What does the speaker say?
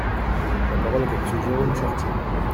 La parole est à Monsieur Jérôme Chartier.